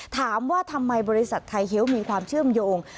ถามว่าทำไมบริษัทไทยเฮียวมีความเชื่อมโยง